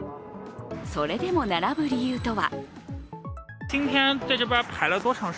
それでも並ぶ理由とは。